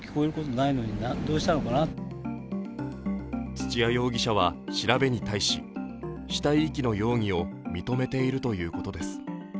土屋容疑者は調べに対し、死体遺棄の容疑を認めているということです。